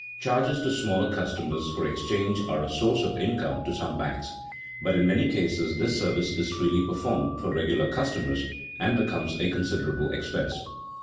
Charges to smaller customers for exchange are a source of income to some banks, but in many cases this service is freely performed for regular customers and becomes a considerable expense.